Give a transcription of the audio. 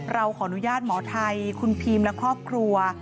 เราขออนุญาตหมอไทยคุณพีมและครอบครัว